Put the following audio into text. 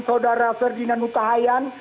saudara ferdinand utahayan